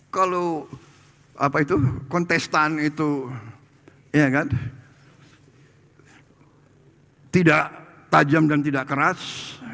kalau kontestan itu tidak tajam dan tidak keras